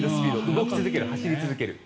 動き続ける、走り続ける。